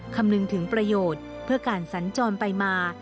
คำนึงถึงประโยชน์เพื่อการสัญจรไปมา